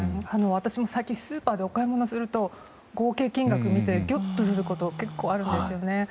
私も最近スーパーでお買い物をすると合計金額を見てぎょっとすることが結構あるんですよね。